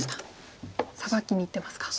サバキにいってますか。